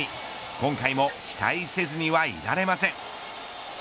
今回も期待せずにはいられません。